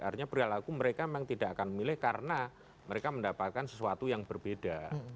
artinya perilaku mereka memang tidak akan memilih karena mereka mendapatkan sesuatu yang berbeda